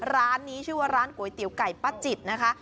ร้านนี้ชื่อว่าร้านก๋วยเตี๋ยวไก่ป้าจิตนะคะ